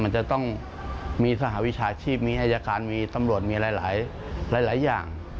มันจะต้องมีสหวิชาชีพมีอายการมีตำรวจมีหลายอย่าง